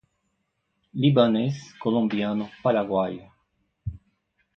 Libanês, Colombiano, Paraguaio